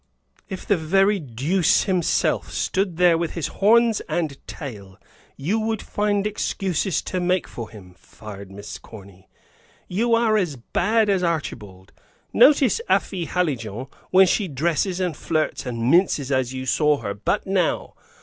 "If the very deuce himself stood there with his horns and tail, you would find excuses to make for him," fired Miss Corny. "You are as bad as Archibald! Notice Afy Hallijohn, when she dresses and flirts and minces as you saw her but now!